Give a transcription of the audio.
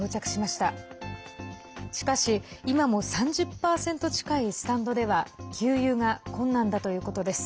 しかし、今も３０％近いスタンドでは給油が困難だということです。